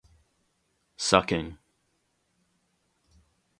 Sucking.